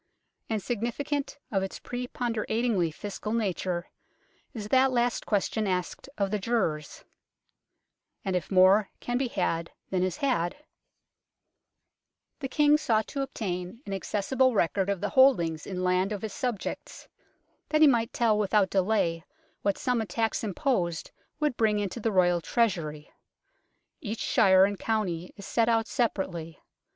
And significant of its pre ponderatingly fiscal nature is that last question asked of the jurors, " And if more can be had than is had ?" The King sought to obtain F 82 UNKNOWN LONDON an accessible record of the holdings in land of his subjects, that he might tell without delay what sum a tax imposed would bring into the Royal treasury. Each shire and county is set out separately.